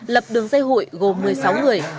lập đường dây hụi gồm một mươi sáu người